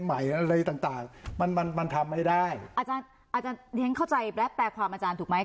ใหม่อะไรต่างต่างมันมันทำไม่ได้อาจารย์อาจารย์เรียนเข้าใจและแปลความอาจารย์ถูกไหม